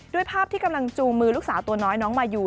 ภาพที่กำลังจูงมือลูกสาวตัวน้อยน้องมายู